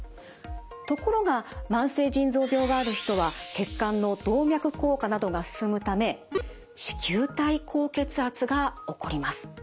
ところが慢性腎臓病がある人は血管の動脈硬化などが進むため糸球体高血圧が起こります。